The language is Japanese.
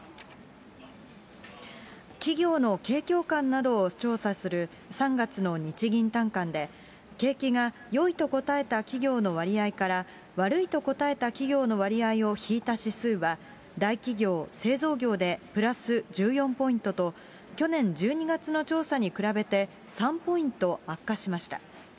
企業の景況感などを調査する３月の日銀短観で、景気がよいと答えた企業の割合から悪いと答えた企業の割合を引いた指数は、大企業・製造業でプラス１４ポイントと、去年１２月の調査に比べて３ポイント悪化しました。